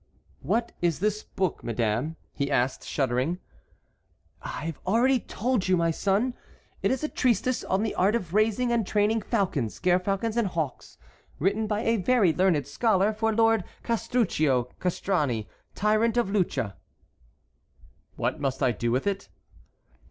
"What is this book, madame?" he asked, shuddering. "I have already told you, my son. It is a treatise on the art of raising and training falcons, gerfalcons, and hawks, written by a very learned scholar for Lord Castruccio Castracani, tyrant of Lucca." "What must I do with it?"